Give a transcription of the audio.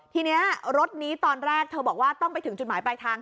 ทีนี้รถนี้ตอนแรกเธอบอกว่าต้องไปถึงจุดหมายปลายทาง